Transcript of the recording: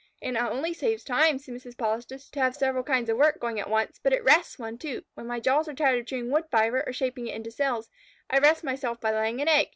"It not only saves time," said Mrs. Polistes, "to have several kinds of work going at once, but it rests one, too. When my jaws are tired of chewing wood fibre or shaping it into cells, I rest myself by laying an egg.